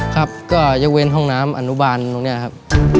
ครับก็ยกเว้นห้องน้ำอนุบาลตรงนี้ครับ